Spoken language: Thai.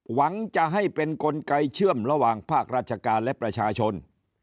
หวังจะให้เป็นกลไกเชื่อมระหว่างภาคราชการและประชาชน